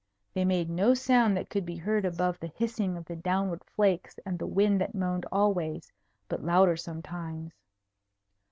They made no sound that could be heard above the hissing of the downward flakes and the wind that moaned always, but louder sometimes.